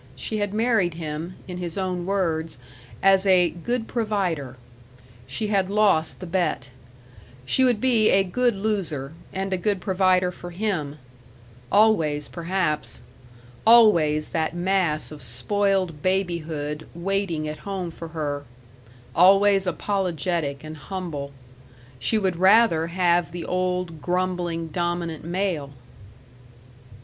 She had married him, in his own words, as a "good provider." She had lost the bet; she would be a good loser and a good provider for him.... Always, perhaps.... Always that mass of spoiled babyhood waiting at home for her.... Always apologetic and humble she would rather have the old, grumbling, dominant male....